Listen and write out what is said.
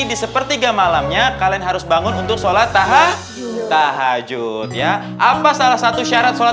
di sepertiga malamnya kalian harus bangun untuk sholat taha tahajud ya apa salah satu syarat sholat